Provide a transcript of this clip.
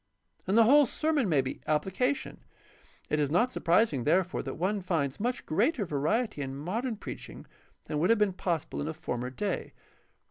And the whole sermon may be applica tion. It is not surprising, therefore, that one finds much greater variety in modem preaching than would have been possible in a former day.